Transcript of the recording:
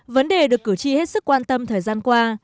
vấn đề được cử tri hết sức quan tâm thời gian qua